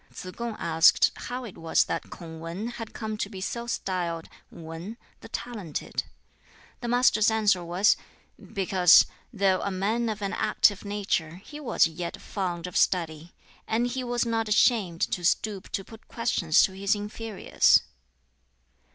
Tsz kung asked how it was that Kung Wan had come to be so styled Wan (the talented). The Master's answer was, "Because, though a man of an active nature, he was yet fond of study, and he was not ashamed to stoop to put questions to his inferiors."